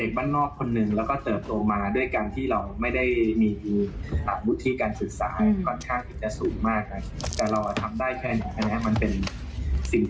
ก็ถือว่าดีแล้วภูมิใจแล้วครับ